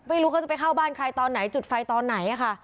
ไม่รู้เขาจะไปเข้าบ้านใครตอนไหนจุดไฟตอนไหนค่ะ